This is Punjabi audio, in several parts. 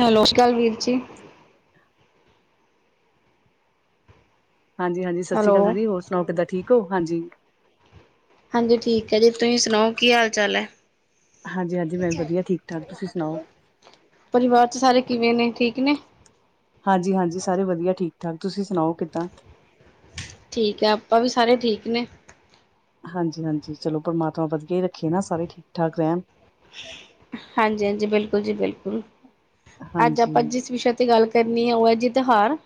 ਹੈਲੋ, ਸਤਿ ਸ਼੍ਰੀ ਅਕਾਲ ਵੀਰ ਜੀ, ਹਾਂਜੀ-ਹਾਂਜੀ ਸਤਿ ਸ਼੍ਰੀ ਅਕਾਲ ਹੈਲੋ। ਦੀਦੀ, ਹੋਰ ਸੁਣਾਓ ਕਿਦਾਂ ਠੀਕ ਹੋ, ਹਾਂਜੀ ਹਾਂਜੀ ਠੀਕ ਹੈ ਜੀ, ਤੁਸੀਂ ਸੁਣਾਓ ਕੀ ਹਾਲ ਚਾਲ ਹੈ? ਹਾਂਜੀ-ਹਾਂਜੀ, ਮੈਂ ਵਧੀਆ ਠੀਕ ਠਾਕ, ਤੁਸੀਂ ਸੁਣਾਓ? ਪਰਿਵਾਰ ਚ' ਸਾਰੇ ਕਿਵੇਂ ਨੇ ਠੀਕ ਨੇ? ਹਾਂਜੀ-ਹਾਂਜੀ, ਸਾਰੇ ਵਧੀਆ ਠੀਕ ਠਾਕ, ਤੁਸੀਂ ਸੁਣਾਓ ਕਿੱਦਾਂ? ਠੀਕ ਹੈ, ਆਪਾਂ ਵੀ ਸਾਰੇ ਠੀਕ ਨੇ ਹਾਂਜੀ-ਹਾਂਜੀ ਚਲੋ ਪਰਮਾਤਮਾ ਵਧੀਆ ਹੀ ਰੱਖੇ ਨਾ, ਸਾਰੇ ਠੀਕ ਠਾਕ ਰਹਿਣ ਹਾਂਜੀ-ਹਾਂਜੀ, ਬਿਲਕੁਲ ਜੀ ਬਿਲਕੁਲ, ਅੱਜ ਹਾਂਜੀ ਆਪਾਂ ਜਿਸਵਸ਼ ਤੇ ਗੱਲ ਕਰਨੀ ਆ ਉਹ ਹੈ ਜੀ, ਤਿਉਹਾਰ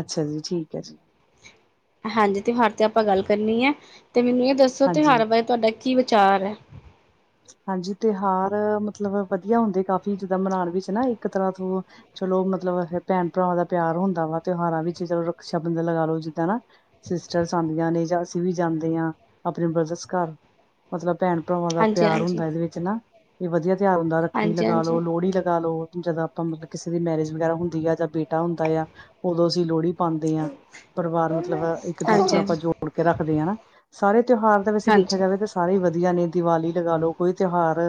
ਅੱਛਾ ਜੀ, ਠੀਕ ਹੈ ਜੀ। ਹਾਂਜੀ, ਤਿਉਹਾਰ ਤੇ ਆਪਾਂ ਗੱਲ ਕਰਨੀ ਹੈ। ਤੇ ਮੈਨੂੰ ਇਹ ਦੱਸੋ ਹਾਂਜੀ ਤਿਉਹਾਰ ਬਾਰੇ ਤੁਹਾਡਾ ਕੀ ਵਿਚਾਰ ਹੈ? ਹਾਂਜੀ, ਤਿਉਹਾਰ ਮਤਲਬ ਵਧੀਆ ਹੁੰਦੇ ਹੈ ਕਾਫੀ, ਜਿੱਦਾਂ ਮਨਾਉਣ ਵਿੱਚ ਨਾ ਇੱਕ ਤਰ੍ਹਾਂ ਤੋਂ ਚਲੋ ਮਤਲਬ ਭੈਣ ਭਰਾਵਾਂ ਦਾ ਪਿਆਰ ਹੁੰਦਾ ਵਾ, ਤਿਉਹਾਰਾਂ ਵਿੱਚ ਚਲੋ ਰਕਸ਼ਾ ਬੰਧ ਲਗਾ ਲਓ, ਜਿੱਦਾਂ ਨਾ ਸਿਸਟਰਸ ਆਉਂਦੀਆਂ ਨੇ ਜਾਂ ਅਸੀਂ ਵੀ ਜਾਂਦੇ ਹਾਂ, ਆਪਣੇ ਬ੍ਰਦਰਸ ਘਰ, ਮਤਲਬ ਭੈਣ-ਭਰਾਵਾਂ ਤਉਰ ਹਾਂਜੀ-ਹਾਂਜੀ, ਹੁੰਦਾ ਇਹਦੇ ਵਿੱਚ ਨਾ, ਇਹ ਵਧੀਆ ਤਿਉਹਾਰ ਹੁੰਦਾ, ਰੱਖੜੀ ਲਗਾ, ਹਾਂਜੀ-ਹਾਂਜੀ, ਹਾਂਜੀ-ਹਾਂਜੀ, ਲੋਹੜੀ ਲਗਾ ਲੋ ਜਦੋਂ ਆਪਾਂ ਮਤਲਬ ਕਿਸੇ ਦੀ ਮੈਰਿਜ ਵਗੈਰਾ ਹੁੰਦੀ ਆ ਜਾਂ ਬੇਟਾ ਹੁੰਦਾ ਆ, ਉਦੋਂ ਅਸੀਂ ਲੋਹੜੀ ਪਾਉਂਦੇ ਹਾਂ। ਪਰਿਵਾਰ ਮਤਲਬ, ਇੱਕ ਦੂਸਰੇ ਹਾਂਜੀ, ਨੂੰ ਆਪਾਂ ਹਾਂਜੀ ਜੋੜ ਕੇ ਰੱਖਦੇ ਹਾਂ ਨਾ, ਸਾਰੇ ਤਿਉਹਾਰ ਦੇ ਵਿੱਚ ਦੇਖਿਆ ਹਾਂਜੀ ਜਾਵੇ ਤਾਂ ਸਾਰੇ ਵਧੀਆ ਨੇ ਦਿਵਾਲੀ ਲਗਾ ਲੋ, ਕੋਈ ਤਿਉਹਾਰ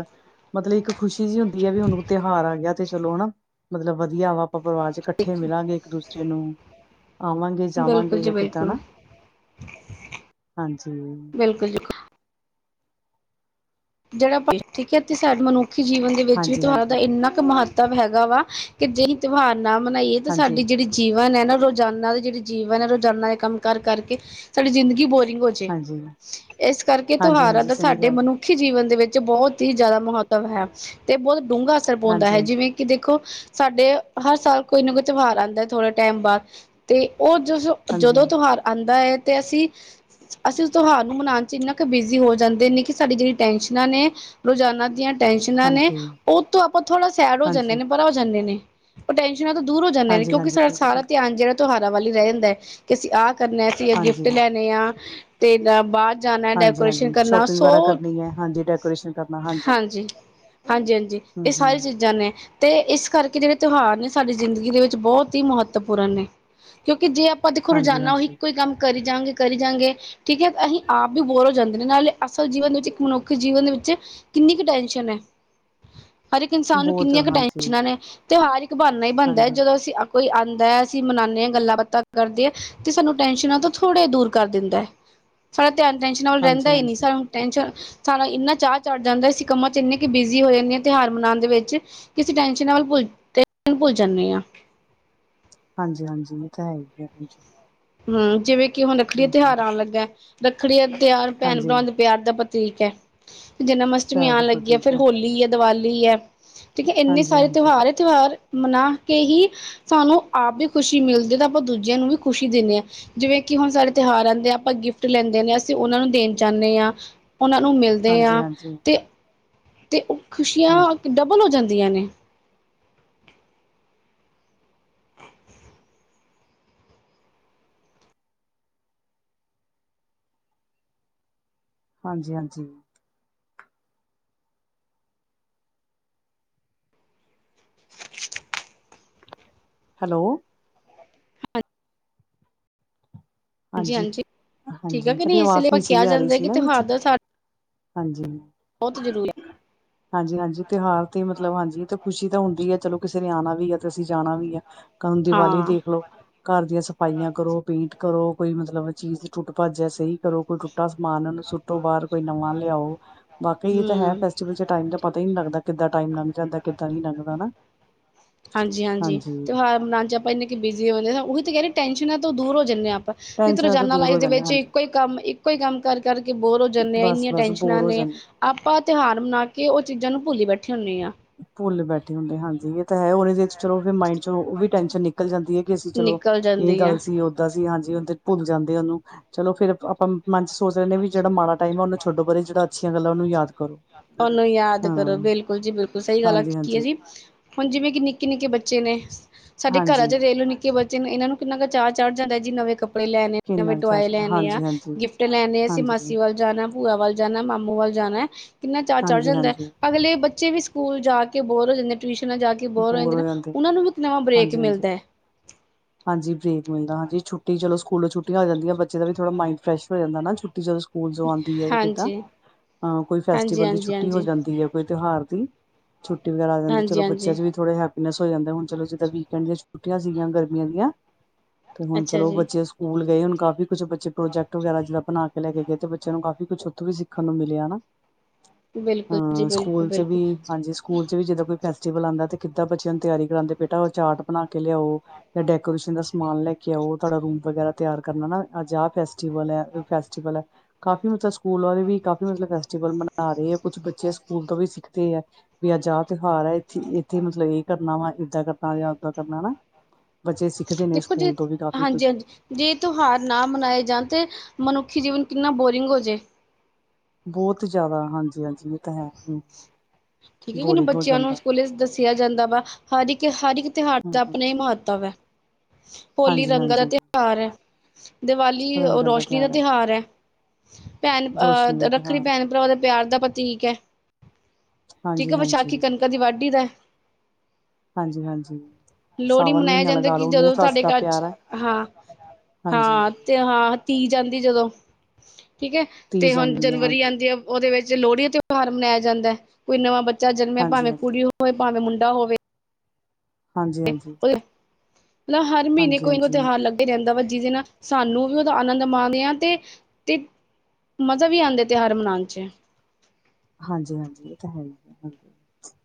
ਮਤਲਬ ਇੱਕ ਖੁਸ਼ੀ ਜਿਹੀਂ ਹੁੰਦੀ ਹੈ ਵੀ ਹੁਣ ਤਿਉਹਾਰ ਆ ਗਿਆ ਤੇ ਚਲੋ ਹੈਨਾ, ਮਤਲਬ ਵਧੀਆ ਵਾ ਆਪਾਂ ਪਰਿਵਾਰ 'ਚ ਇਕੱਠੇ ਹਾਂਜੀ, ਮਿਲਾਂਗੇ ਇੱਕ ਦੂਸਰੇ ਨੂੰ ਆਵਾਂਗੇ, ਬਿਲਕੁਲ ਜਾਵਾਂਗੇ ਜੀ ਜਾਂ ਕਿੱਦਾਂ ਬਿਲਕੁਲ, ਨਾ, ਹਾਂਜੀ ਬਿਲਕੁਲ, ਬਿਲਕੁਲ ਜਿਹੜਾ ਠੀਕ ਹੈ ਤੇ ਸਾਡੇ ਮਨੁੱਖੀ ਜੀਵਨ ਦੇ ਵਿੱਚ ਵੀ, ਹਾਂਜੀ ਤਿਉਹਾਰ ਦਾ ਹਾਂਜੀ ਇੰਨਾ ਕੁ ਮਹੱਤਵ ਮਤਲਬ ਹੈਗਾ ਵਾ, ਕਿ ਜੇ ਅਸੀਂ ਤਿਉਹਾਰ ਨਾ ਮਨਾਈਏ ਤਾਂ ਸਾਡੀ ਹਾਂਜੀ ਜਿਹੜੀ ਜੀਵਨ ਹੈ, ਨਾ ਰੋਜ਼ਾਨਾ ਦੇ ਜਿਹੜੇ ਜੀਵਨ ਹੈ, ਰੋਜ਼ਾਨਾ ਦੇ ਕੰਮ ਕਾਰ ਕਰਕੇ ਸਾਡੀ ਜ਼ਿੰਦਗੀ ਬੋਰਿੰਗ ਹੋ ਜੋ, ਹਾਂਜੀ ਇਸ ਕਰਕੇ ਹਾਂਜੀ ਤਿਉਹਾਰਾਂ ਹਾਂਜੀ ਦਾ ਸਹੀ ਸਾਡੇ ਗੱਲ ਮਨੁੱਖ ਮੱਨੁਖੀ ਜੀਵਨ ਦੇ ਵਿੱਚ ਬਹੁਤ ਹੀ ਜ਼ਿਆਦਾ ਮਹੱਤਵ ਹੈ ਤੇ ਬਹੁਤ ਡੂੰਘਾ ਅਸਰ ਪਾਉਂਦਾ ਹਾਂਜੀ ਹੈ। ਹਾਂਜੀ ਜਿਵੇਂ ਕਿ ਦੇਖੋ, ਸਾਡੇ ਹਰ ਸਾਲ ਕੋਈ ਨਾ ਕੋਈ ਤਿਉਹਾਰ ਆਉਂਦਾ ਹੈ, ਥੋੜੇ ਟਾਈਮ ਬਾਅਦ ਤੇ ਉਹ [unintelligible] ਹਾਂਜੀ ਜਦੋਂ ਤਿਉਹਾਰ ਆਉਂਦਾ ਹੈ ਤੇ ਅਸੀਂ ਅਸੀਂ ਉਸ ਤਿਉਹਾਰ ਨੂੰ ਮਨਾਉਣ ਚ' ਇੰਨਾ ਕੁ ਬਿਜ਼ੀ ਹੋ ਜਾਂਦੇ ਨੇ, ਕਿ ਸਾਡੀ ਜਿਹੜੀ ਟੈਨਸ਼ਨਾਂ ਨੇ ਰੋਜ਼ਾਨਾ ਦੀਆਂ ਟੈਸ਼ਨਾਂ ਨੇ, ਹਾਂਜੀ ਉਹ ਤੋਂ ਆਪਾਂ ਥੋੜਾ ਸੈਡ ਹੋ ਜਾਂਦੇ ਹਾਂਜੀ ਨੇ, ਪਰਾ ਹੋ ਜਾਂਦੇ ਨੇ ਉਹ ਬੱਚਿਆਂ ਤੋਂ ਦੂਰ ਹੋ ਜਾਂਦੇ ਨੇ ਹਾਂਜੀ ਕਿਉਂਕਿ ਹਾਂਜੀ ਸਾਡਾ ਬਿਲਕੁਲ ਸਹੀ ਸਾਰਾ ਧਿਆਨ ਜਿਹੜਾ ਤਿਉਹਾਰ ਵੱਲ ਰਹਿ ਜਾਂਦਾ ਹੈ। ਅਸੀਂ ਆਹ ਕਰਨਾ। ਅਸੀਂ ਹਾਂਜੀ ਗਿਫਟ ਲੈਣੇ ਆ ਤੇ ਐਦਾਂ, ਬਾਹਰ ਜਾਣਾ ਹਾਂਜੀ ਡੈਕੋਰੇਸ਼ਨ ਹਾਂਜੀ ਕਰਨਾ ਸ਼ੋਪਿੰਗ ਸੋ ਵਗੈਰਾ ਕਰਨੀ ਹਾਂਜੀ [unintelligible] ਹਾਂਜੀ, ਹਾਂਜੀ, ਹਾਂਜੀ, ਹਮ ਇਹ ਹਮ ਸਾਰੀ ਚੀਜ਼ਾਂ ਚੀਜ਼ਾਂ ਨੇ ਤੇ ਇਸ ਕਰਕੇ ਜਿਹੜੇ ਤਿਉਹਾਰ ਨੇ ਸਾਡੀ ਜ਼ਿੰਦਗੀ ਦੇ ਵਿੱਚ ਬਹੁਤ ਹੀ ਮਹੱਤਵਪੂਰਨ ਨੇ ਕਿਉਂਕਿ, ਜੇ ਆਪਾਂ ਦੇਖੋ ਹਾਂਜੀ ਰੋਜ਼ਾਨਾ ਉਹ ਹਾਂਜੀ ਇੱਕੋ ਹੀ ਕੰਮ ਕਰੀ ਜਾਵਾਂਗੇ ਕਰੀ ਜਾਂਗੇ ਠੀਕ ਹੈ। ਅਸੀਂ ਆਪ ਵੀ ਬੋਰ ਹੋ ਜਾਂਦੇ ਨੇ ਨਾਲੇ ਅਸਲ ਜੀਵਨ ਦੇ ਵਿੱਚ ਮਨੁੱਖੀ ਜੀਵਨ ਦੇ ਵਿੱਚ ਕਿੰਨੀ ਕੀ ਟੈਨਸ਼ਨ ਹੈ। ਹਰ ਇੱਕ ਇਨਸਾਨ ਨੂੰ ਬਹੁਤ ਕਿੰਨੀਆਂ ਕੁ ਹਾਂਜੀ ਟੈਨਸ਼ਨਾਂ ਨੇ ਤਿਉਹਾਰ ਇੱਕ ਬਣਨਾ ਹੀ ਬਣਦਾ ਹੈ ਹਾਂਜੀ ਜਦੋਂ ਅਸੀਂ ਕੋਈ ਆਂਦਾ ਅਸੀਂ ਮਨਾਦੇ ਹਾਂ ਗੱਲਾਂ ਬਾਤਾਂ ਕਰਦੇ ਤੇ ਸਾਨੂੰ ਟੈਸ਼ਨਾਂ ਤੋਂ ਥੋੜਾ ਦੂਰ ਕਰ ਦਿੰਦਾ ਹੈ। ਸੜਾ ਧਿਆਨ ਟੈਨਸ਼ਨ ਵੱਲ ਹਾਂਜੀ ਰਹਿੰਦਾ ਹੀ ਨਹੀਂ ਹਾਂਜੀ ਸਾਨੂੰ ਟੈਸ਼ਨ ਸਾਨੂੰ ਇੰਨਾ ਚਾਹ ਚੜ੍ਹ ਜਾਂਦਾ ਅਸੀਂ ਕੰਮਾਂ 'ਚ ਇੰਨੀ ਕੁ ਬਿਜ਼ੀ ਹੋ ਜਾਂਦੇ ਹਾਂ ਤਿਉਹਾਰ ਮਨਾਉਣ ਦੇ ਵਿੱਚ ਕੀ ਟੈਸ਼ਨਾਂ ਵੱਲ ਭੁੱਲ ਜਾਂਦੇ ਹਾਂ ਹਾਂਜੀ ਹਾਂਜੀ ਇਹ ਤਾਂ ਹੈ ਹੀ ਆ ਹਾਂਜੀ ਹੂੰ ਜਿਵੇਂ ਕਿ ਹੁਣ ਰੱਖੜੀ ਦਾ ਹਮ ਹਮ ਤਿਉਹਾਰ ਆਉਣ ਲੱਗਾ ਰੱਖੜੀ ਦਾ ਤਿਉਹਾਰ ਭੈਣ ਹਾਂਜੀ ਭਰਾਵ ਦੇ ਵਿਆਹ ਦਾ ਪ੍ਰਤੀਕ ਹੈ ਜਨਮ ਅਸ਼ਟਮੀ ਪਿਆਰ ਆਉਣ ਦਾ ਲੱਗੀ ਹੈ ਪ੍ਰਤੀਕ ਫਿਰ ਹੋਲੀ ਹੈ ਦੀਵਾਲੀ ਹੈ। ਠੀਕ ਹੈ ਇੰਨੇ ਹਾਂਜੀ ਸਾਰੇ ਹਾਂਜੀ ਤਿਉਹਾਰ ਹੈ। ਤਿਉਹਾਰ ਮਨਾ ਕੇ ਹੀ ਸਾਨੂੰ ਆਪ ਵੀ ਖੁਸ਼ੀ ਮਿਲਦੀ ਤੇ ਆਪਾਂ ਦੂਜਿਆਂ ਨੂੰ ਵੀ ਖੁਸ਼ੀ ਦਿੰਦੇ ਹਾਂ ਜਿਵੇਂ ਕਿ ਹੁਣ ਸਾਡੇ ਤਿਉਹਾਰ ਆਉਂਦੇ ਆ ਆਪਾਂ ਗਿਫਟ ਲੈਂਦੇ ਨੇ ਅਸੀਂ ਉਹਨਾਂ ਨੂੰ ਦੇਣ ਚਾਹੁੰਦੇ ਹਾਂ। ਉਹਨਾਂ ਨੂੰ ਮਿਲਦੇ ਹਾਂਜੀ ਹਾਂ। ਹਾਂਜੀ ਤੇ ਤੇ ਹਾਂਜੀ ਖੁਸ਼ੀਆਂ ਡਬਲ ਹੋ ਜਾਂਦੀਆਂ ਨੇ ਹਾਂਜੀ ਹਾਂਜੀ ਹੈਲੋ ਹਾਂਜੀ ਠੀਕ ਹੈ ਹਾਂਜੀ ਕਿ ਸਾਡੀ ਇਸ ਆਵਾਜ਼ ਲਈ ਆਪਾਂ ਨਹੀਂ ਸਹੀ ਕਿਹਾ ਆ ਰਹੀ ਜਾਂਦਾ ਸੀ ਕਿ ਨਾ ਵਿੱਚ ਤਿਉਹਾਰ ਦਾ ਸਾਡਾ ਹਾਂਜੀ ਬਹੁਤ ਜ਼ਰੂਰੀ ਹਾਂਜੀ ਹਾਂਜੀ ਤਿਉਹਾਰ ਤੇ ਮਤਲਬ ਹਾਂਜੀ ਤੇ ਖੁਸ਼ੀ ਤਾਂ ਹੁੰਦੀ ਹੈ ਚਲੋ ਕਿਸੇ ਨੇ ਆਉਣਾ ਵੀ ਹੈ ਤੇ ਅਸੀਂ ਜਾਣਾ ਵੀ ਆ ਹੁਣ ਦੀਵਾਲੀ ਹਾਂ। ਦੇਖ ਲੋ ਘਰ ਦੀਆਂ ਸਫਾਈਆਂ ਕਰੋ ਪੇਂਟ ਕਰੋ ਕੋਈ ਮਤਲਬ ਚੀਜ਼ ਟੁੱਟ ਭੱਜਿਆ ਸਹੀ ਕਰੋ ਕੋਈ ਟੁੱਟਾ ਸਮਾਨ ਸੁੱਟੋ ਬਾਹਰ ਕੋਈ ਨਵਾਂ ਲਿਆਓ ਬਾਕੀ ਇਹ ਤਾਂ ਹੈ ਹੂੰ। ਫੈਸਟੀਵਲ ਚ ਟਾਈਮ ਦਾ ਪਤਾ ਹੀ ਨਹੀਂ ਲਗਦਾ ਕਿੱਦਾਂ ਟਾਈਮ ਲੰਗ ਜਾਂਦਾ ਕਿੱਦਾਂ ਨਹੀਂ ਲੰਘਦਾ ਹਾਂਜੀ ਹਾਂਜੀ [unintelligible] ਆਪਾਂ ਇ ਕਿ ਬਿਜ਼ੀ ਹੁੰਦੇ ਉਹੀ ਤਾਂ ਕਹਿ ਟੈਨਸ਼ਨ ਹੈ ਤਾਂ ਦੂਰ ਹੋ ਜਾਂਦੇ ਹਾਂ ਆਪਾਂ ਜਿੱਥ ਟੈਨਸ਼ਨਾਂ ਤੋਂ ਰੋਜ਼ਾਨਾ ਦੂਰ ਹੋ ਲਾਈਫ ਦੇ ਜਾਂਦੇ ਹਾਂ, ਵਿੱਚ ਹਾਂਜੀ ਇੱਕੋ ਈ ਇੱਕੋ ਹੀ ਕੰਮ ਕਰ ਕਰਕੇ ਬੋਰ ਹੋ ਜਾਂਦੇ ਆ ਇੰਨੀਆਂ ਬਸ-ਬਸ ਟੈਂਨਸ਼ਨਾਂ ਬੋਰ ਹੋ ਨੇ ਜਾਂਦੇ ਆਪਾਂ ਤਿਉਹਾਰ ਮਨਾ ਕੇ ਉਹ ਚੀਜ਼ਾਂ ਨੂੰ ਭੁੱਲ ਬੈਠੇ ਹੁੰਦੇ ਹਾਂ। ਭੁੱਲ ਬੈਠੇ ਹੁੰਦੇ ਹਾਂਜੀ ਇਹ ਤਾਂ ਹੈ ਉਹਦੇ ਚਲੋ ਫਿਰ ਮਾਇੰਡ ਚ ਉਹ ਵੀ ਟੈਨਸ਼ਨ ਨਹੀਂ ਨਿਕਲ ਜਾਂਦੀ ਹੈ ਕਿ ਅਸੀਂ ਚਲੋ ਨਿਕਲ ਇਹ ਜਾਂਦੀ ਆ। ਗੱਲ ਸੀ। ਸੀ ਹਾਂਜੀ ਉਹਦੇ ਚ ਭੁੱਲ ਜਾਂਦੇ ਉਹਨੂੰ ਚਲੋ ਫਿਰ ਚ ਸੋਚ ਰਹੇਦੇ ਵੀ ਜਿਹੜਾ ਮਾੜਾ ਟਾਈਮ ਆ ਉਹਨੂੰ ਛੱਡੋ ਪਰੇ ਜਿਹੜਾ ਅੱਛੀਆਂ ਗੱਲਾਂ ਉਹਨੂੰ ਯਾਦ ਕਰੋ ਉਨੂੰ ਯਾਦ ਹਾਂ ਕਰੋ ਬਿਲਕੁਲ ਜੀ ਬਿਲਕੁਲ ਸਹੀ ਗੱਲ ਹਾਂਜੀ ਆਖੀਏ ਹਾਂਜੀ ਜੀ ਹੁਣ ਜਿਵੇਂ ਕਿ ਨਿੱਕੇ ਨਿੱਕੇ ਬੱਚੇ ਨੇ ਸਾਡੇ ਘਰਾਂ ਹਾਂਜੀ ਚ ਰਹਿਲੋ ਨਿੱਕੇ ਬੱਚੇ ਇਹਨਾਂ ਨੂੰ ਕਿੰਨਾ ਕੁ ਚੜ ਜਾਂਦਾ ਨਵੇਂ ਕੱਪੜੇ ਲੈਣੇ ਆ ਤੇ ਕਿੰਨਾ ਟੋਏ ਚਾਚਾ ਲੈਣੇ ਆ ਹਾਂਜੀ ਹਾਂਜੀ ਗਿਫਟ ਲੈਣੇ ਆ ਅਸੀਂ ਹਾਂਜੀ ਮਾਸੀ ਵੱਲ ਜਾਣਾ ਭੂਆ ਵੱਲ ਜਾਣਾ, ਮਾਮੂ ਵੱਲ ਜਾਣਾ ਕਿੰਨਾ ਚਾਰ ਚੜ੍ਹ ਹਾਂਜੀ ਜਾਂਦਾ। ਹਾਂਜੀ ਅਗਲੇ ਬੱਚੇ ਵੀ ਸਕੂਲ ਜਾ ਕੇ ਬੋਰ ਹੋ ਜਾਂਦੇ ਟਿਊਸ਼ਨਾਂ ਜਾ ਕੇ। ਬੋਰ ਹੋ ਜਾਂਦੇ ਨਾ ਉਹਨਾਂ ਨੂੰ ਵੀ ਇੱਕ ਨਵਾਂ ਬ੍ਰੇਕ ਹਾਂਜੀ ਹਾਂਜੀ ਮਿਲਦਾ ਐ। ਹਾਂਜੀ ਬ੍ਰੇਕ ਮਿਲਦਾ ਹਾਂਜੀ ਛੱਟੀ ਚਲੋ ਸਕੂਲੋਂ ਛੁਟੀਆਂ ਆ ਜਾਂਦੀ ਬੱਚੇ ਦਾ ਵੀ ਥੋੜਾ ਮਾਇੰਡ ਫਰੈਸ਼ ਹੋ ਜਾਂਦਾ ਨਾ ਛੁੱਟੀ ਜਦ ਸਕੂਲ ਜੋ ਆਂਦੀ ਐ ਕਿੱਦਾਂ ਹਾਂਜੀ ਅ ਕੋਈ ਹਾਂਜੀ ਫੈਸਟੀਵਲ ਦੀ ਹਾਂਜੀ ਛੁੱਟੀ ਹੋ ਹਾਂਜੀ ਜਾਂਦੀ ਐ ਕੋਈ ਤਿਉਹਾਰ ਦੀ। ਛੁੱਟੀ ਵਗੈਰਾ ਆ ਜਾਂਦੀ ਹਾਂਜੀ ਚਲੋ ਬੱਚ ਹਾਂਜੀ ਚੇ ਵੀ ਥੋੜੇ ਹੈਪੀਨੈਸ ਹੋ ਜਾਂਦੇ ਹੁਣ ਚਲੋ ਜਿਦਾਂ ਵੀਕਂਡ ਦੀਆਂ ਛੁੱਟੀਆਂ ਸੀਗੀਆਂ ਗਰਮੀਆਂ ਦੀਆਂ। ਤੇ ਹੁਣ ਅੱਛਾ ਚਲੋ ਜੀ ਬੱਚੇ ਸਕੂਲ ਗਏ ਹੁਣ ਕਾਫ਼ੀ ਕੁਛ ਬੱਚੇ ਪ੍ਰੋਜੈਕਟ ਵਗੈਰਾ ਜਿਹੜ ਬਣਾ ਕੇ ਲੈ ਕੇ ਗਏ ਤੇ ਬੱਚਿਆਂ ਨੂੰ ਕਾਫ਼ੀ ਕੁਛ ਉੱਥੋਂ ਵੀ ਸਿੱਖਣ ਨੂੰ ਮਿਲਿਆ ਹਨਾਂ। ਬਿਲਕੁਲ ਜੀ ਹਾਂ, ਬਿਲਕੁਲ ਸਕੂਲ ਚ ਵੀ ਬਿਲਕੁਲ ਹਾਂਜੀ। ਸਕ ਸਕੂਲ ਚ ਵੀ ਜਿਦਾਂ ਕੋਈ ਫੈਸਟੀਵਲ ਆਂਦਾ ਕਿਦਾਂ ਬੱਚਿਆਂ ਨੂੰ ਤਿਆਰੀ ਕਰਾਂਦੇ ਬੇਟਾ ਉਹ ਚਾਰਟ ਬਣਾ ਕੇ ਲਿਆਓ ਜਾਂ ਡੈਕੋਰੇਸ਼ਨ ਦਾ ਸਮਾਨ ਲੈ ਕੇ ਆਓ ਤੁਹਾਡਾ ਰੂਮ ਵਗੈਰਾ ਤਿਆਰ ਕਰਨਾ ਨਾ ਅੱਜ ਆਹ ਫੈਸਟ ਫੈਸਟੀਵਲ ਐ, ਕਾਫੀ ਮਤਲਬ ਸਕੂਲ ਵਾਲੇ ਵੀ ਕਾਫੀ ਮਤਲਬ ਫੇ ਟੀਵਲ ਮਨਾ ਰਹੇ ਆ ਕੁਛ ਬੱਚੇ ਸਕੂਲ ਤੋਂ ਵੀ ਸਿੱਖਦੇ ਆ ਵੀ ਅੱਜ ਆਹ ਤਿਉਹਾਰ ਐ। ਇੱਥੇ ਮਤਲਬ ਇਹ ਕਰਨਾ ਵਾ, ਏਦਾਂ ਕਰਨਾ ਜਾਂ ਓਦਾਂ ਕਰਨਾ ਹਨਾਂ। ਬੱਚੇ ਸਿੱਖਦੇ ਨੇ ਦੇਖੋ ਜੇ ਸਕੂਲ ਤੋਂ ਵੀ ਕਾਫੀ ਹਾਂਜੀ ਕੁਛ ਹਾਂਜੀ ਜੇ ਇਹ ਤਿਉਹਾਰ ਨਾ ਮਨਾਏ ਜਾਣ ਤੇ ਮਨੁੱਖੀ ਜੀਵਨ ਕਿੰਨਾ ਬੋਰਿੰਗ ਹੋ ਜੇ। ਬੋਤ ਜ਼ਿਆਦਾ ਹਾਂਜੀ ਹਾਂਜੀ, ਇਹ ਤਾਂ ਹੈ। ਠੀਕ ਐ ਕਿਹਨੂੰ ਬੋਰਿੰਗ ਹੋ ਬੱਚਿਆਂ ਨੂੰ ਜਾਂਦਾ ਸਕੂਲੇ ਚ ਦੱਸਿਆ ਜਾਂਦਾ ਵਾ ਹਰ ਇੱਕ ਹਰ ਇੱਕ ਤਿਉਹਾਰ ਹਮ ਦਾ ਹਮ। ਆਪਣੇ ਮਹੱਤਵ ਹੋਲੀ ਹਾਂਜੀ ਰੰਗਾਂ ਦਾ ਹਾਂਜੀ ਤਿਉਹਾਰ ਐ। ਦੀਵਾਲੀ ਰੋਸ਼ਨੀ ਦਾ ਤਿਉਹਾਰ ਐ। ਭੈਣ ਰੋਸ਼ਨੀ ਦਾ ਅਹ ਰੱਖੜੀ ਤਿਉਹਾਰ ਭੈਣ ਭਰਾਵਾਂ ਦਾ ਪਿਆਰ ਦਾ ਪਰ ਤੀਕ ਐ, ਹਾਂਜੀ ਹਾਂਜੀ ਵਿਸਾਖੀ ਕਣਕਾਂ ਦੀ ਵਾਢੀ ਦਾ ਐ। ਹਾਂਜੀ ਹਾਂਜੀ ਲੋਹੜੀ ਸਾਵਨ ਮਨਾਇਆ ਮਹੀਨਾ ਜਾਂਦਾ ਲਗਾ ਕਿ ਲਓ ਨੂੰਹ ਜਦੋਂ ਸੱਸ ਸਾਡੇ ਦਾ ਘਰ ਚ ਪਿਆਰ ਹੈ ਹਾਂ ਹਾਂਜੀ। ਤਿਉਹਾਰ ਹਾਂ ਤੀਜ ਜਾਂਦੀ ਜਦੋਂ ਠੀਕ ਐ ਧੀ ਤੇ ਹੁਣ ਜਾਂਦੀ ਹੈ ਜਨਵਰੀ ਹਾਂਜੀ ਆਂਦੀ ਐ। ਉਹਦੇ ਵਿੱਚ ਲੋਹੜੀ ਦਾ ਤਿਉਹਾਰ ਮਨਾਇਆ ਜਾਂਦਾ ਐ, ਕੋਈ ਨਵਾਂ ਬੱਚਾ ਜਨਮੇ ਹਾਂਜੀ ਭਾਵੇਂ ਹਾਂਜੀ ਕੁੜੀ ਹੋਵੇ, ਭਾਵੇਂ ਮੁੰਡਾ ਹੋਵੇ। ਹਾਂਜੀ ਹਾਂਜੀ ਹਾਂਜੀ ਮਤਲਬ ਹਰ ਮਹੀਨੇ ਹਾਂਜੀ ਕੋਈ ਤਿਉਹਾਰ ਲੱਗਾ ਈ ਰਹਿੰਦਾ ਵਾ, ਜਿਹਦੇ ਨਾਲ ਸਾਨੂੰ ਵੀ ਉਹਦਾ ਆਨੰਦ ਮਾਣੇ ਆਂ ਤੇ ਤੇ ਮਜ਼ਾ ਵੀ ਆਂਦਾ ਤਿਉਹਾਰ ਮਨਾਉਣ ਚ ਹਾਂਜੀ ਹਾਂਜੀ ਇਹ ਤਾਂ ਹੈ ਹੀ ਹਾਂਜੀ।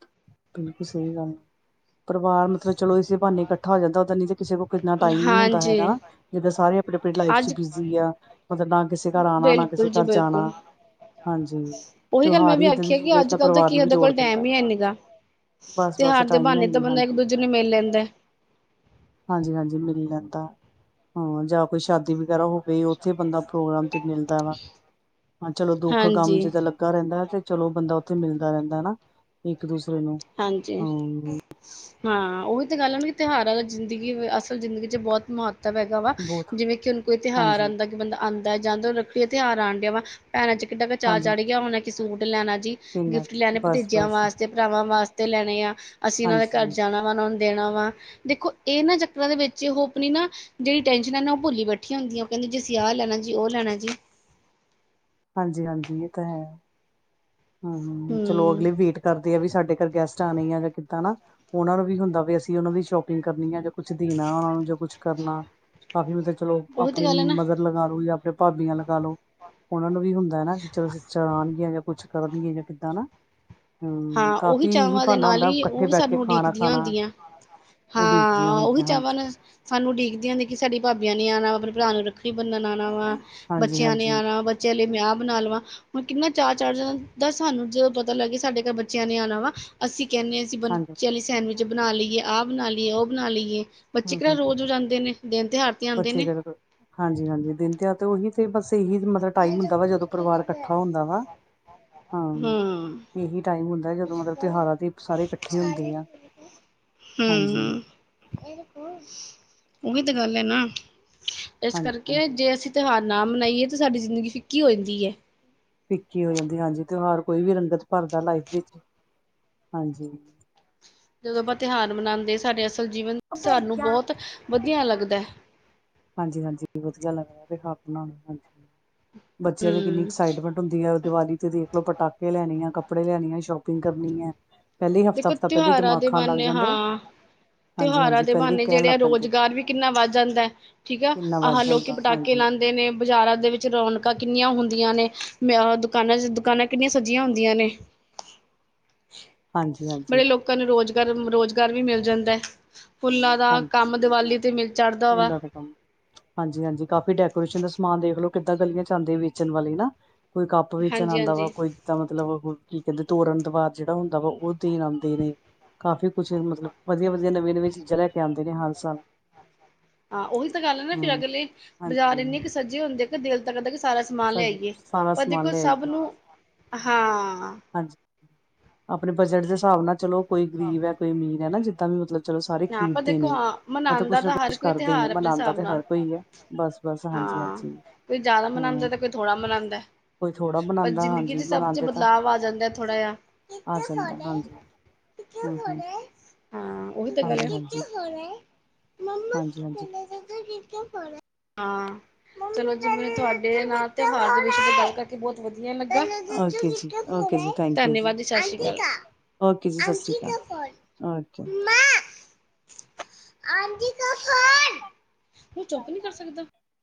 ਬਿਲਕੁਲ ਸਹੀ ਗੱਲ ਏ ਪਰਿਵਾਰ ਮਤਲਬ ਚਲੋ ਇਸੇ ਬਾਹਨੇ ਕੱਠਾ ਹੋ ਜਾਂਦਾ ਉਦਾਂ ਨੀ ਤੇ ਕਿਸੇ ਕੋਲ ਕਿਨਾ ਟਾਈਮ ਨੀ ਹੁੰਦਾ ਹਾਂਜੀ ਹੈਗਾ ਨਾਂ, ਜਿੱਦਾਂ ਸਾਰੇ ਆਪਣੀ-ਆਪਣੀ ਲਾਈਫ ਚ ਅੱਜ ਬਿਜ਼ੀ ਆ ਮਤਲਬ ਨਾ ਕਿਸੇ ਘਰ ਆਣਾ, ਨਾ ਕਿਸੇ ਬਿਲਕੁਲ ਜੀ ਘਰ ਬਿਲਕੁਲ ਜਾਣਾ। ਹਾਂਜੀ। ਉਹੀ ਗੱਲ ਮੈਂ ਤਿਉਹਾਰ ਵੀ ਹੀ ਇੱਦਾਂ ਦੀ ਆਖਿਆ ਕਿ ਚੀਜ਼ ਹੈ ਜਿਹੜਾ ਅੱਜ-ਕੱਲ ਤਾਂ ਪਰਿਵਾਰ ਨੂੰ ਵੀ ਕੀਹਦੇ ਜੋੜ ਕੋਲ ਦਿੰਦਾ ਟਾਈਮ ਹੈ। ਹੀ ਹੇਨੀ ਗਾ। ਬਸ ਬਸ ਤਿਉਹਾਰ ਦੇ ਟਾਈਮ ਬਹਾਨੇ ਤਾਂ ਹੈਨੀ ਬੰਦਾ ਇੱਕ ਹਾਂਜੀ ਦੂਜੇ ਨੂੰ ਮਿਲ ਲੈਂਦਾ। ਹਾਂਜੀ ਹਾਂਜੀ, ਮਿਲਤਾ ਜਾਂ ਕੋਈ ਸ਼ਾਦੀ ਵਗੈਰਾ ਹੋ ਵੀ ਉੱਥੇ ਬੰਦਾ ਪ੍ਰੋਗਰਾਮ ਤੇ ਮਿਲਦਾ ਵਾ ਹਾਂ ਚਲੋ ਦੁੱਖ ਕੰਮ ਹਾਂਜੀ ਜਿਦ ਲ [unintelligible] ਰਹਿੰਦਾ ਤੇ ਚਲੋ ਬੰਦਾ ਉੱਥੇ ਮਿਲਦਾ ਰਹਿੰਦਾ ਹਨਾਂ ਇੱਕ ਦੂਸਰੇ ਨੂੰ ਹਾਂਜੀ। ਹੂੰ ਹਾਂ ਉਹੀ ਤਾਂ ਗੱਲ ਏ ਕਿ ਤਿਉਹਾਰਾਂ ਜ਼ਿੰਦਗੀ ਅਸਲ ਜ਼ਿੰਦਗੀ ਚ ਬਹੁਤ ਮਹੱਤਵ ਹੈਗਾ ਵਾ ਬਹੁਤ ਜਿਵੇਂ ਕਿ ਉਹ ਕੋਈ ਤਿਉਹਾਰ ਹਾਂਜੀ ਆਂਦਾ ਕਿ ਬੰਦਾ ਆਂਦਾ ਜਾਂਦਾ ਰੱਖੜੀ ਦਾ ਤਿਉਹਾਰ ਆਉਣ ਡਿਆ ਵਾ ਭੈਣਾਂ ਚ ਕਿੱਡਾ ਕ ਚਾਰ ਹਾਂਜੀ ਚੱੜ ਗਿਆ ਹੁਣਾ ਕਿ ਸੂਟ ਲੈਣਾ ਜੀ, ਕਿੰਨਾ ਗਿਫਟ ਲੈਣੇ ਬਸ ਭਤੀਜਿਆਂ ਬਸ ਵਾਸਤੇ। ਭਰਾਵਾਂ ਵਾਸਤੇ ਲੈਣੇ ਆ, ਅਸੀਂ ਉਹਨਾਂ ਦੇ ਘਰ ਹਾਂਜੀ ਜਾਣਾ ਵਾ ਉਹਨਾਂ ਨੂੰ ਦੇਣਾ ਵਾ। ਦੇਖੋ ਇਹਨਾਂ ਚੱਕਰਾਂ ਦੇ ਵਿੱਚ ਉਹ ਆਪਣੀ ਨਾ ਜਿਹੜੀ ਟੈਨਸ਼ਨ ਹੈ ਨਾ ਉਹ ਭੁੱਲੀ ਬੈਠ ਹੁੰਦੀ ਆ, ਕਹਿੰਦੀ ਜ ਅਸੀਂ ਆਹ ਲੈਣਾ ਜੀ, ਉਹ ਲੈਣਾ ਜੀ ਹਾਂਜੀ ਹਾਂਜੀ ਇਹ ਤਾਂ ਹੈ, ਹਮ ਚਲੋ ਅਗਲੀ ਵੇਟ ਕਰਦੇ ਵੀ ਸਾਡੇ ਘਰ ਗੈਸਟ ਆਣੇ ਆ ਜਾਂ ਕਿੱਦਾਂ ਨਾ, ਉਹਨਾ ਨੂੰ ਵੀ ਹੁੰਦਾ ਵੀ ਅਸੀਂ, ਉਹਨਾ ਦੀ ਸ਼ੋਪਿੰਗ ਕਰਨੀ ਆ ਜਾਂ ਕੁਛ ਦੇਣਾ ਉਹਨਾਂ ਨੂੰ ਜਾਂ ਕੁਛ ਕਰਨਾ, ਕਾਫੀ ਮਤਲਬ ਚਲੋ ਉਹੀ ਤਾਂ ਆਪਣੀ ਗੱਲ ਹੈ ਨਾ ਮਦਰ ਲਗਾ ਲੋ ਜਾਂ ਆਪਣੇ ਭਾਬੀਆਂ ਲਗਾ ਲ ਲੋ। ਉਹਨਾਂ ਨੂੰ ਵੀ ਹੁੰਦਾ ਨਾ, ਵੀ ਚਲ ਸਿਸਟਰ ਆਉਣਗੀਆ ਜਾਂ ਕੁਛ ਕਰਨਗੀਆਂ, ਜਾਂ ਕਿੱਦਾਂ ਨਾ ਹਮ ਹਾਂ ਉਹੀ ਕਾਫੀ ਹੀ ਚਾਵਾਂ ਦੇ ਬਹਾਨਾ ਨਾਲ ਹੁੰਦਾ ਹੀ, ਉਹ ਇਕੱਠੇ ਵੀ ਬੈਠ ਕੇ ਸਾਨੂੰ ਖਾਣਾ ਉਡੀਕਦੀਆਂ ਖਾਣਾ ਹੁੰਦੀਆਂ। ਉਡੀਕਦੀਆਂ ਹਾਂ ਉਹੀ ਹੁੰਦੀਆਂ ਚਾਵਾਂ ਹਾਂਜੀ ਨਾ, ਸਾਨੂੰ ਉਡੀਕਦੀ ਹੁੰਦੀ ਕਿ ਸਾਡੀ ਭਾਬੀਆਂ ਨੇ ਆਉਣਾ ਵਾ, ਆਪਣੇ ਭਰਾ ਨੂੰ ਰੱਖੜ ਬੰਨਣ ਆਉਣਾ ਵਾ, ਹਾਂਜੀ ਬੱਚਿਆਂ ਨੇ ਹਾਂਜੀ ਆਉਣਾ ਵਾ ਚਲੇ ਮੈਂਹ ਆ ਬਣਾ ਲਵਾਂ, ਹੁਣ ਕਿੰਨਾ ਚਾਅ ਚੜ ਜਾਦਾ ਸਾਨੂੰ, ਜਦੋਂ ਪਤਾ ਲੱਗੇ ਸਾਡੇ ਬੱਚਿਆਂ ਨੇ ਆਉਣਾ ਵਾ, ਅਸੀਂ ਕਹਿੰਦੇ ਹਾਂ ਅਸੀ ਹਾਂਜੀ ਬੱਚਿਆ ਲਈ ਸੈਂਡਵਿਚ ਬਣਾ ਲਈਏ, ਆਹ ਬਣਾ ਲਈਏ, ਉਹ ਬਣਾ ਲਈਏ ਹਮ ਬੱਚੇ ਕਿਹੜਾ ਹਮ ਰੋਜ਼ ਆਂਦੇ ਨੇ, ਦਿਨ ਤਿਉਹਾਰ ਤੇ ਆਉਂਦੇ ਬੱਚੇ ਨੇ ਕਰ ਹਾਂਜੀ ਹਾਂਜੀ, ਦਿਨ ਤਿੳਆਰ ਤੇ ਉਹੀ ਤੇ ਬਸ ਇਹੀ ਟਾਈਮ ਹੁੰਦਾ ਵਾ ਜਦੋਂ ਪਰਿਵਾਰ ਇਕੱਠਾ ਹੁੰਦਾ ਵਾ, ਹਾਂ ਇਹੀ ਟਾਈਮ ਹੁੰਦਾ ਜਦੋਂ ਮਤਲਬ ਤਿਉਹਾਰਾਂ ਦੀ ਸਾਰੇ ਇਕੱਠੇ ਹੁੰਦੇ ਆ। ਹੂ ਹਾਂਜੀ ਹੂ। ਇਹ ਦੇਖੋ ਉਹੀ ਤੇ ਗੱਲ ਹੈ ਨਾ, ਇਸ ਹਾਂਜੀ ਕਰਕੇ ਹਾਂਜੀ ਜੇ ਅਸੀਂ ਤਿਉਹਾਰ ਨਾ ਮਨਾਈਏ ਤਾਂ ਸਾਡੀ ਜ਼ਿੰਦਗੀ ਫਿੱਕੀ ਹੋ ਜਾਂਦੀ ਹੈ। ਫਿਕੀ ਹੋ ਜਾਂਦੀ ਹਾਂਜੀ, ਤਿਉਹਾਰ ਕੋਈ ਵੀ ਰੰਗਤ ਭਰਦਾ ਲਾਈਫ ਵਿੱਚ, ਹਾਂਜੀ ਜਦੋਂ ਆਪਾਂ ਤਿਉਹਾਰ ਮਨਾਉਂਦੇ, ਸਾਡੇ ਅਸਲ ਜੀਵਨ ਸਾਨੂੰ ਬਹੁਤ ਵਧੀਆ ਲੱਗਦਾ। ਹਾਂਜੀ ਹਾਂਜੀ ਵਧੀਆ ਲੱਗਦਾ, ਹ ਬ ਬੱਚਿਆਂ ਦੀ ਕਿੰਨੀ ਹਮ ਐਕਸਾਈਟਮੈਂਟ ਹੁੰਦੀ ਹੈ ਦੀਵਾਲੀ ਤੇ ਦੇਖਲੋ, ਪਟਾਕੇ ਲੈਣੇ ਆ, ਕੱਪੜੇ ਲੈਣੇ ਆ, ਸ਼ੋਪਿੰਗ ਕਰਨੀ ਹੈ। ਪਹਿਲੇ ਹੀ ਹਫ਼ਤਾ ਦੇਖੋ ਹਫ਼ਤਾ ਪਹਿਲੇ ਤਿਉਹਾਰਾਂ ਦਿਮਾਗ ਦੇ ਖਾਣ ਲੱਗ ਬਹਾਨੇ ਜਾਂਦੇ ਹਾਂ, ਹਾਂਜੀ ਤਿਉਹਾਰਾਂ ਹਾਂਜੀ ਦੇ ਪਹਿਲੇ ਹੀ ਬਹਾਨੇ ਕਹਿਣ ਜਿਹੜੇ ਲੱਗ ਆ ਪੈਂਦੇ ਰੁਜ਼ਗਾਰ ਵੀ ਕਿੰਨਾ ਵੱਧ ਜਾਂਦਾ ਹੈ ਠੀਕ ਕਿੰਨਾ ਵੱਧ ਆਹ, ਲੋਕੀ ਜਾਂਦਾ ਪਟਾਕੇ ਹਾਂਜੀ ਲਾਉਂਦੇ ਨੇ ਬਾਜ਼ਾਰਾਂ ਦੇ ਵਿੱਚ ਰੌਣਕਾਂ ਕਿੰਨੀਆਂ ਹੁੰਦੀਆਂ ਨੇ, ਦੁਕਾਨਾਂ- ਦੁਕਾਨਾਂ ਕਿੰਨੀਆਂ ਸੱਜੀਆਂ ਹੁੰਦੀਆਂ ਨੇ ਹਾਂਜੀ ਹਾਂਜੀ। ਬੜੇ ਲੋਕਾਂ ਨੂੰ ਰੁਜ਼ਗਾਰ, ਰੁਜ਼ਗਾਰ ਵੀ ਮਿਲ ਜਾਂਦਾ ਹੈ। ਫੁੱਲਾਂ ਦਾ ਕੰਮ ਦੀਵਾਲੀ ਤੇ ਮਿਲ ਚੜ੍ਹਦਾ ਵਾ ਹਾਂਜੀ ਹਾਂਜੀ, ਕਾਫ਼ੀ ਡੈਕੋਰੇਸ਼ਨ ਦਾ ਸਮਾਨ ਦੇਖਲੋ ਕਿੱਦਾਂ ਗਲੀਆਂ 'ਚ ਆਉਦੇ ਵੇਚਣ ਵਾਲੇ ਨਾ ਕੋਈ ਕੱਪ ਵੇਚਣ ਹਾਂਜੀ ਆਉਂਦਾ ਵਾ, ਹਾਂਜੀ ਕੋਈ ਤਾਂ ਮਤਲਬ ਕੀ ਕਹਿੰਦੇ ਤੋਰੜ ਤੋਂ ਬਾਅਦ ਜਿਹੜਾ ਹੁੰਦਾ ਵਾ, ਉਹ ਦੇਣ ਆਉਂਦੇ ਨੇ ਕਾਫ਼ੀ ਕੁਛ ਮਤਲਬ, ਵਧੀਆ ਵਧੀਆ, ਨਵੀਂ -ਨਵੀਂ ਚੀਜ਼ਾਂ ਲੈ ਕੇ ਆਉਂਦੇ ਨੇ ਹਰ ਸਾਲ। ਹਾਂ ਉਹੀ ਤਾਂ ਗੱਲ ਹੈ ਨਾ, ਫਿਰ ਹੂੰ ਅਗਲੇ ਬਾਜ਼ਾਰ ਹਾਂਜੀ ਇੰਨੇ ਕੁ ਸੱਜੇ ਹੁੰਦੇ ਦਿਲ ਤਾ ਕਰਦਾ ਵੀ ਸਾਰਾ ਸਮਾਨ ਸਾ ਲੈ ਆਈਐ, ਸਾਰਾ ਪਰ ਸਮਾਨ ਦੇਖੋ ਲੈ ਸਬ ਆਈਏ ਨੂੰ, ਹਾਂ ਹਾਂਜੀ, ਆਪਣੇ ਬਜਟ ਦੇ ਹਿਸਾਬ ਨਾਲ ਚਲੋ, ਕੋਈ ਗਰੀਬ ਹੈ, ਕੋਈ ਅਮੀਰ ਹੈ ਨਾ ਜਿੱਦਾਂ ਵੀ ਮਤਲਬ ਚਲੋ ਸਾਰੇ ਹਾਂ ਪਰ ਖਰੀਦਦੇ ਦੇਖੋ ਨੇ, ਹਾਂ ਮਤਲਬ ਮਨਾਉਂਦਾ ਕੁਛ ਨਾ ਤਾਂ ਹਰ ਕੁਛ ਕੋਈ ਕਰਦੇ ਨੇ, ਤਿਉਹਾਰ ਆਪਣੇ ਮਨਾਉਂਦਾ ਹਿਸਾਬ ਤੇ ਨਾਲ ਹਰ ਕੋਈ ਹੈ। ਬਸ ਬਸ, ਹਾਂਜੀ ਹਾਂ ਹਾਂਜੀ। ਕੋਈ ਜ਼ਿਆਦਾ ਮਨਾਉਂਦਾ ਤੇ ਕੋਈ ਥੋੜ੍ਹਾ ਮਨਾਉਂਦਾ, ਕੋਈ ਥੋੜਾ ਪਰ ਮਨਾਂਦਾ ਜ਼ਿੰਦਗੀ ਹਾਂਜੀ 'ਚ ਸਭ 'ਚ ਮਨਾਂਦੇ ਤਾਂ ਬਦਲਾਵ ਆ ਜਾਂਦਾ। ਥੋੜਾ ਜਾ, ਹਾਂ। ਆ ਜਾਂਦਾ ਹਾਂਜੀ ਹੂੰ ਹੂੰ ਹਾਂਜੀ ਹਾਂਜੀ ਹਾਂਜੀ ਹਾਂਜੀ [unintelligible] ਹਾਂ, ਚਲੋ ਜਿਵੇਂ ਤੁਹਾਡੇ ਨਾਲ ਤਿਉਹਾਰ ਦੇ ਵਿਸ਼ੇ ਤੇ ਗੱਲ ਕਰਕੇ ਬਹੁਤ ਵਧੀਆ ਲੱਗਾ, ਧੰਨਵਾਦ ਓਕੇ ਜੀ ਓਕੇ ਜੀ ਥੈਂਕ ਯੂ ਜੀ, ਸਤਿ ਸ਼੍ਰੀ ਅਕਾਲ। ਓਕੇ ਜੀ ਸਤਿ ਸ਼੍ਰੀ ਅਕਾਲ ਓਕੇ [unintelligible] [unintelligible]